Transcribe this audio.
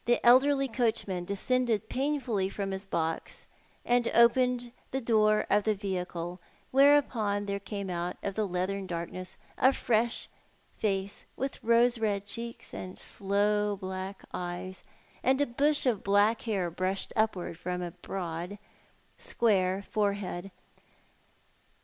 elderly coacliraan descended painfully from his box and opened the door of the vehicle, whereupon there came out of the leathern darkness a young fresh face, with rose red cheeks and sloe black eyes, and a bush of black hair brushed upward from a broad, square forehead.